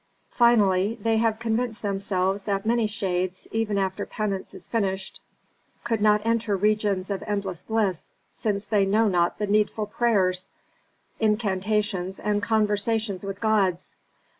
"Finally they have convinced themselves that many shades, even after penance is finished, could not enter regions of endless bliss since they know not the needful prayers, incantations, and conversations with gods.